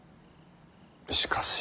しかし。